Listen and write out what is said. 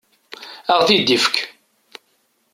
Ad aɣ-t-id-ifek.